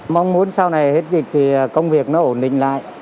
mong muốn sau này hết dịch thì công việc nó ổn định lại